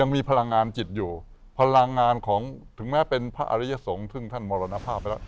มีพลังงานจิตอยู่พลังงานของถึงแม้เป็นพระอริยสงฆ์ซึ่งท่านมรณภาพไปแล้ว